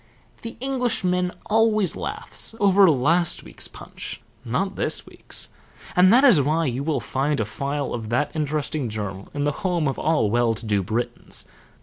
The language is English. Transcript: The Englishman always laughs over last week's Punch, not this week's, and that is why you will find a file of that interesting journal in the home of all well to do Britons.